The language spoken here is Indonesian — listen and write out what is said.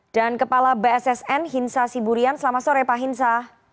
dan kepala bssn hinsa siburian selamat sore pak hinsa